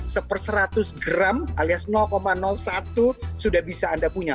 seper seratus gram alias satu sudah bisa anda punya